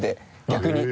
逆に？